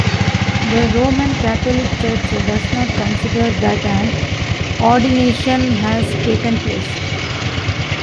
The Roman Catholic Church does not consider that an ordination has taken place.